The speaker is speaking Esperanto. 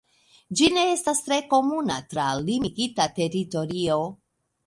Ĝi ne estas tre komuna tra limigita teritorio.